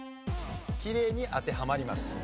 きれいに当てはまります。